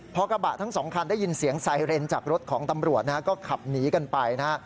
พอกระบะทั้งสองคันได้ยินเสียงไซเรนจากรถของตำรวจนะฮะก็ขับหนีกันไปนะฮะ